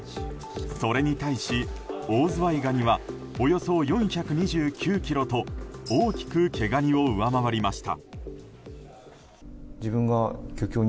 それに対してオオズワイガニはおよそ４２９ｋｇと大きく毛ガニを上回りました。